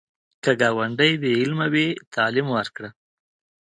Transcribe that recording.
که ګاونډی بې علمه وي، تعلیم ورکړه